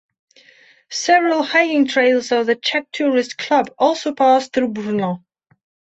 Several hiking trails of the Czech Tourist Club also pass through Brno.